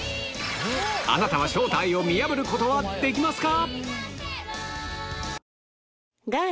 あなたは正体を見破ることはできますか？